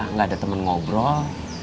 nggak ada temen ngobrol